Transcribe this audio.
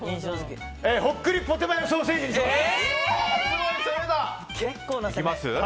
ほっくりポテマヨソーセージにします！